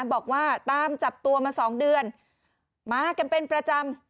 บอกว่าตามจับตัวมาสองเดือนมากันเป็นประจำ